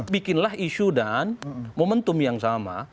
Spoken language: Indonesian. bikinlah isu dan momentum yang sama